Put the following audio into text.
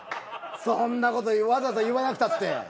そんな事わざわざ言わなくたって。